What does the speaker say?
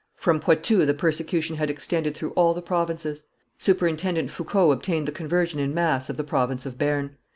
From Poitou the persecution had extended through all the provinces. Superintendent Foucauld obtained the conversion in mass of the province of Bearn.